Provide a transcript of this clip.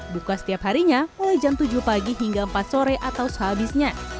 buka setiap harinya mulai jam tujuh pagi hingga empat sore atau sehabisnya